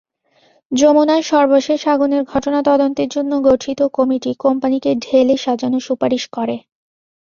যমুনার সর্বশেষ আগুনের ঘটনা তদন্তের জন্য গঠিত কমিটি কোম্পানিকে ঢেলে সাজানোর সুপারিশ করে।